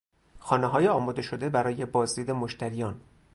خانههای آماده شده برای بازدید مشتریان